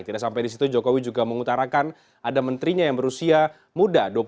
tidak sampai di situ jokowi juga mengutarakan ada menterinya yang berusia muda